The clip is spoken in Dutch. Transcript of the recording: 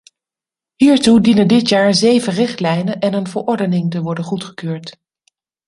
Hiertoe dienen dit jaar zeven richtlijnen en een verordening te worden goedgekeurd.